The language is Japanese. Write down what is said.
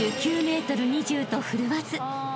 ［４９ｍ２０と振るわず］